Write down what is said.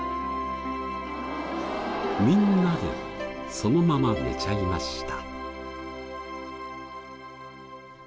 みんなでそのまま寝ちゃいました。